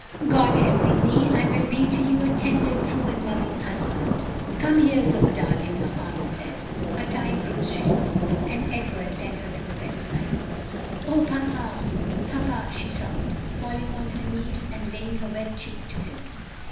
"God helping me, I will be to you a tender, true, and loving husband." "Come here, Zoe, darling," her father said, "our time grows short;" and Edward led her to the bedside. "O papa, papa!" she sobbed, falling on her knees and laying her wet cheek to his.